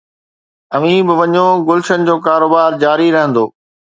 اوهين به وڃو، گلشن جو ڪاروبار جاري رهندو